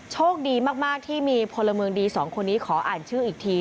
โชคดีมากที่มีพลเมืองดีสองคนนี้ขออ่านชื่ออีกที